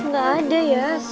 gak ada yas